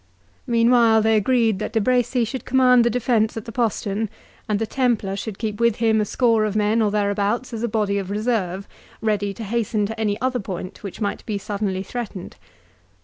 Meanwhile, they agreed that De Bracy should command the defence at the postern, and the Templar should keep with him a score of men or thereabouts as a body of reserve, ready to hasten to any other point which might be suddenly threatened.